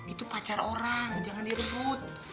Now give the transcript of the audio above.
itu pacar orang jangan direbut